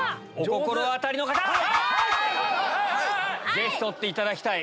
ぜひ取っていただきたい。